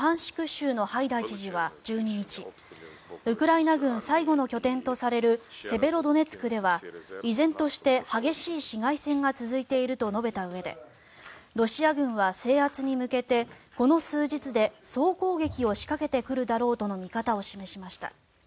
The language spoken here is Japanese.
州のハイダイ知事は１２日ウクライナ軍最後の拠点とされるセベロドネツクでは依然として激しい市街戦が続いていると述べたうえでロシア軍は制圧に向けてこの数日で総攻撃を仕掛けてくるだろうとの見方を示しました。